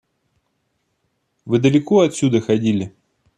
Вы далеко отсюда ходили?